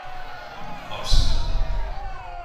آبسه دارید.